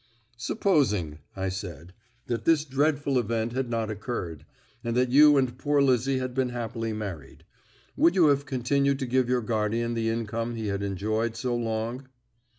"Supposing," I said, "that this dreadful event had not occurred, and that you and poor Lizzie had been happily married, would you have continued to give your guardian the income he had enjoyed so long?"